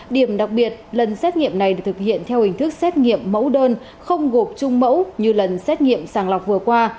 điểm đặc biệt lần xét nghiệm này được thực hiện theo hình thức xét nghiệm mẫu đơn không gộp trung mẫu như lần xét nghiệm sàng lọc vừa qua